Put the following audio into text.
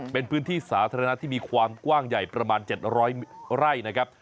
เป็นพื้นที่สาธารณะที่มีความกว้างใหญ่ประมาณ๗๐๐ไร่นะครับ